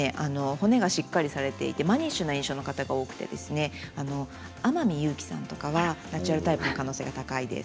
骨がしっかりされていてマニッシュな印象の方が多くて天海祐希さんとかはナチュラルタイプの可能性が高いです。